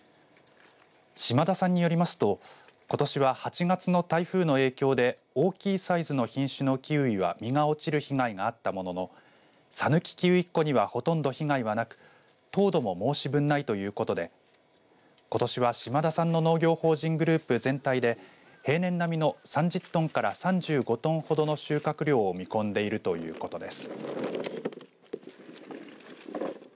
島田さんによりますとことしは８月の台風の影響で大きいサイズの品種のキウイは実が落ちる被害があったもののさぬきキウイっこにはほとんど被害はなく糖度も申し分ないということでことしは島田さんの農業法人グループ全体で平年並みの３０トンから３５トンほどの収穫量を見込んでいるということです。